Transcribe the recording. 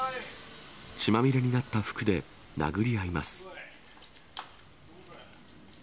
血まみれになった服で殴り合います。